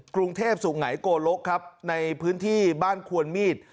กรุงเทพศูนย์ไหนโกโลกครับในพื้นที่บ้านควรมีด